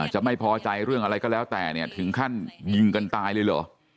จะไม่พอใจเรื่องอะไรก็แล้วแต่เนี่ยถึงขั้นยิงกันตายเลยเหรอ